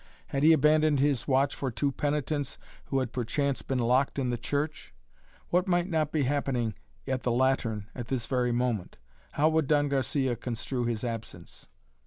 Had he abandoned his watch for two penitents who had perchance been locked in the church? What might not be happening at the Lateran at this very moment! How would Don Garcia construe his absence?